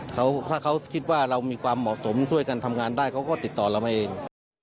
ถ้าเขาคิดว่าเรามีความเหมาะสมช่วยกันทำงานได้เขาก็ติดต่อเรามาเอง